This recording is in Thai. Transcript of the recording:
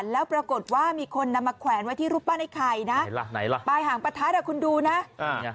แล้วปรากฏว่ามีคนนำมาแขวนไว้ที่รูปปั้นไอ้ไข่นะไหนล่ะปลายหางประทัดอ่ะคุณดูนะ